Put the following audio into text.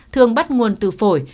thường bắt nguồn từ phổi